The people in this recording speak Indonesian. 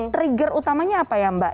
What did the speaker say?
trigger utamanya apa ya mbak